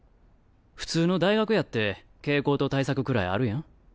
普通の大学やって傾向と対策くらいあるやん？